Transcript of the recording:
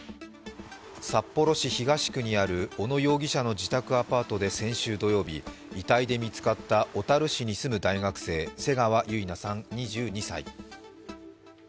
札幌市東区にある小野容疑者の自宅アパートで先週土曜日遺体で見つかった小樽市に住む大学生、瀬川結菜さん２２歳。